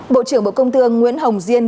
bộ trưởng bộ công tương nguyễn hồng diên